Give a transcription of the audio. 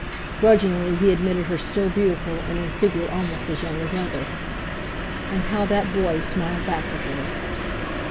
Grudgingly he admitted her still beautiful and in figure almost as young as ever. And how that boy smiled back at her!